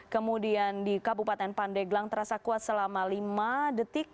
kemudian di kabupaten pandeglang terasa kuat selama lima detik